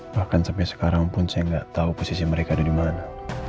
bahkan sampai sekarang pun saya gak tau posisi mereka ada dimana